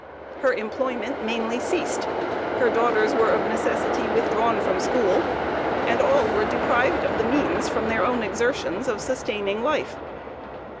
Her employment mainly ceased, her daughters were of necessity withdrawn from school, and all were deprived of the means, from their own exertions, of sustaining life.